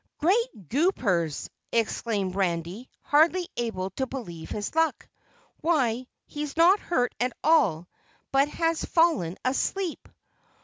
"Great Goopers!" exclaimed Randy, hardly able to believe his luck. "Why, he's not hurt at all, but has fallen asleep."